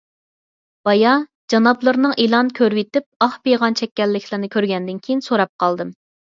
بايا جانابلىرىنىڭ ئېلان كۆرۈۋېتىپ ئاھ - پىغان چەككەنلىكلىرىنى كۆرگەندىن كېيىن سوراپ قالدىم.